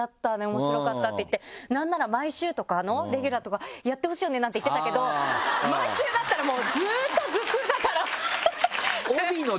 「面白かった」って言って「なんなら毎週とかのレギュラーとかやってほしいよね」なんて言ってたけど毎週だったらもうずっと頭痛だから。